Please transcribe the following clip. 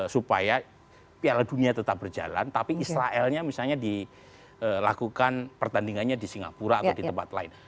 supaya piala dunia tetap berjalan tapi israelnya misalnya dilakukan pertandingannya di singapura atau di tempat lain